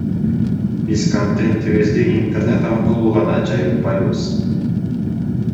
Биз контентибизди интернет аркылуу гана жайылтпайбыз.